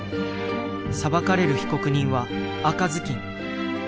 裁かれる被告人は赤ずきん。